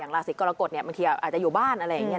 อย่างราศีกรกฎเนี่ยบางทีอาจจะอยู่บ้าน